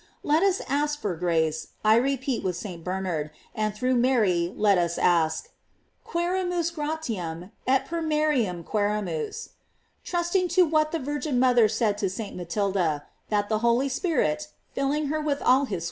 Let us ask for grace, I repeat with St.Bernard, and through Mary let us ask: " Qua3ramus gratiam et per Mariam quseramus," trusting to what the Vir gin mother said to St. Matilda, that the Holy Spirit, filling her with all his sweetness, had * Vinum non habent